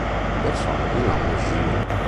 Persone di nome Gilles